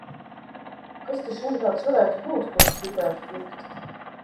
Kas te šiem tāds varētu būtu, ko tu gribētu pirkt?